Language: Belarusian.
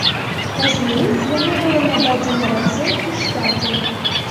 Пазней яна была нададзена рацэ і штату.